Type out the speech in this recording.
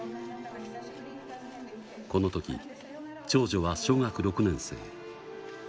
このとき、長女は小学６年生。